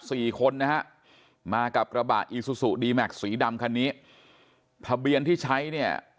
สี่คนนะฮะมากับกระบะอีซูซูดีแม็กซ์สีดำคันนี้ทะเบียนที่ใช้เนี่ย